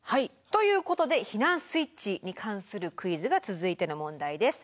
ということで避難スイッチに関するクイズが続いての問題です。